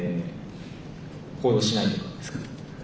報道しないとかですかね。